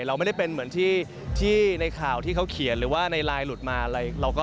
เราไม่ได้เป็นเหมือนที่ในข่าวที่เขาเขียนหรือว่าในไลน์หลุดมาอะไร